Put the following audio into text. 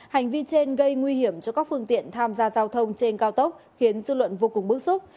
hành vi trên gây nguy hiểm cho các phương tiện tham gia giao thông trên cao tốc khiến dư luận vô cùng bức xúc